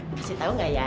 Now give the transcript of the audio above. kasih tau gak ya